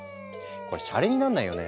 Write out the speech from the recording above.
これシャレになんないよね。